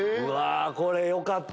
これよかった！